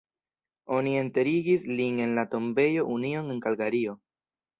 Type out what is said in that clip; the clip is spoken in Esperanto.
Oni enterigis lin en la Tombejo Union en Kalgario.